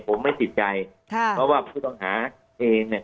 ผมไม่ติดใจค่ะเพราะว่าผู้ต้องหาเองเนี่ย